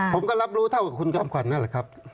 ผมก็รับรู้เท่ากับคุณจอมขวัญนั่นแหละครับ